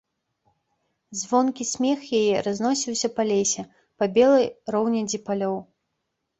Звонкі смех яе разносіўся па лесе, па белай роўнядзі палёў.